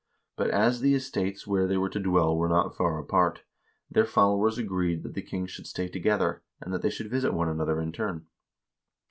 But as the estates where they were to dwell were not far apart, their followers agreed that the kings should stay together, and that they should visit one another in turn.